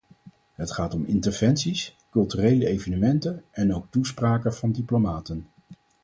Het gaat om interventies, culturele evenementen en ook toespraken van diplomaten.